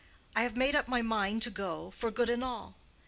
I have made up my mind to go, for good and all.